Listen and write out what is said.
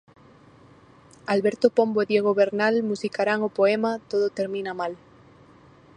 Alberto Pombo e Diego Bernal musicarán o poema "Todo termina mal".